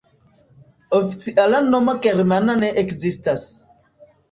Oficiala nomo germana ne ekzistas.